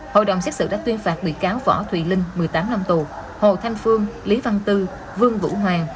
hội đồng xét xử đã tuyên phạt bị cáo võ thùy linh một mươi tám năm tù hồ thanh phương lý văn tư vương vũ hoàng